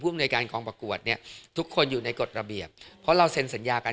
อำนวยการกองประกวดเนี่ยทุกคนอยู่ในกฎระเบียบเพราะเราเซ็นสัญญากัน